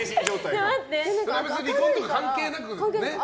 別に離婚とか関係なく？